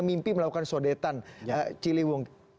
mimpi melakukan sodetan ciliwung